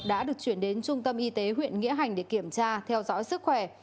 đã được chuyển đến trung tâm y tế huyện nghĩa hành để kiểm tra theo dõi sức khỏe